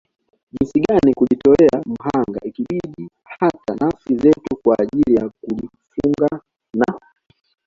Jinsi gani kujitolea mhanga ikibidi hata nafsi zetu kwa ajili ya kujifunga na